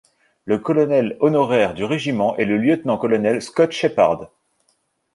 Le colonel honoraire du régiment est le lieutenant-colonel Scott Shepherd.